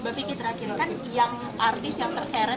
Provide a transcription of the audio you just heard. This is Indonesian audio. mbak vicky terakhir kan yang artis yang terseret